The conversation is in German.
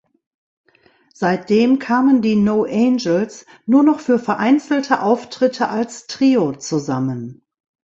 Seitdem kamen die No Angels nur noch für vereinzelte Auftritte als Trio zusammen.